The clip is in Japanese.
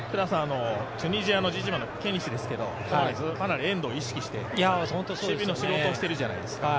チュニジアのケニシですけどかなり遠藤を意識して守備の仕事をしているじゃないですか。